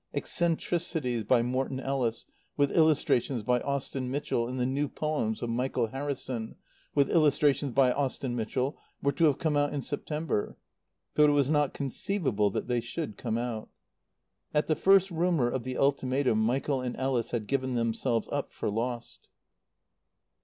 "Eccentricities" by Morton Ellis, with illustrations by Austin Mitchell, and the "New Poems" of Michael Harrison, with illustrations by Austin Mitchell, were to have come out in September. But it was not conceivable that they should come out. At the first rumour of the ultimatum Michael and Ellis had given themselves up for lost.